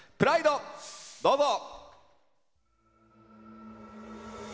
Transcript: どうぞ。